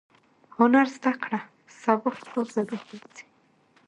هنر زده کړه سبا پکار ضرور درځي.